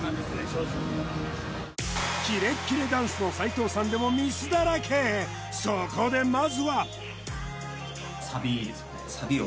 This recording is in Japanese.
正直キレッキレダンスの斎藤さんでもミスだらけそこでまずはサビですよね